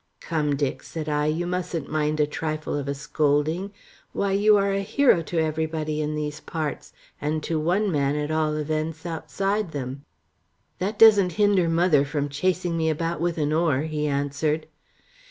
"Come, Dick," said I, "you mustn't mind a trifle of a scolding. Why, you are a hero to everybody in these parts, and to one man at all events outside them." "That doesn't hinder mother from chasing me about with an oar," he answered.